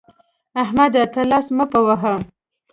احمده! ته لاس مه په وهه.